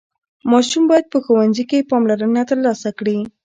ماشوم باید په ښوونځي کې پاملرنه ترلاسه کړي.